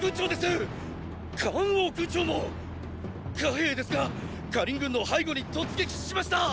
寡兵ですが燐軍の背後に突撃しました！